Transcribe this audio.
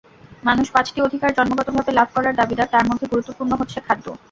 মানুষ পাঁচটি অধিকার জন্মগতভাবে লাভ করার দাবিদার, তার মধ্যে গুরুত্বপূর্ণ হচ্ছে খাদ্য।